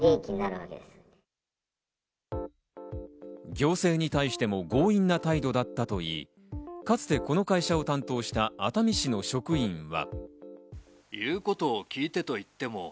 行政に対しても強引な態度だったといい、かつてこの会社を担当した熱海市の職員は。